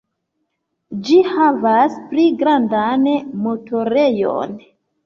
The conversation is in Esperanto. Ĝi havas pli grandan motorejon.